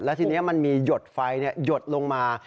ทีนี้มันมีหยดไฟหยดลงมา